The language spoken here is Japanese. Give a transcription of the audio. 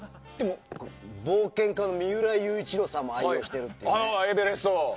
冒険家の三浦雄一郎さんも愛用しているという。